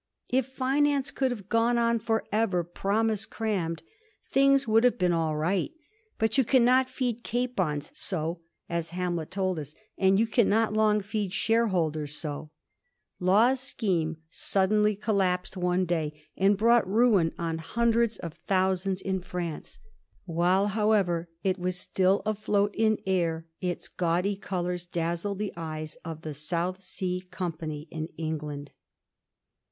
K finance could have gone on for ever promise crammed, things would have been all right. But you cannot feed capons so, as Hamlet tells us ; and you cannot long feed shareholders so. Law's scheme suddenly collapsed one day, and brought ruin on hundreds of thousands b2 Digiti zed by Google 244 A HISTORY OF THE POUR GEORGES. oh. xi. in France. WHle, however, it was still afloat in air, its gaudy colours dazzled the eyes of the South Sea Company in England.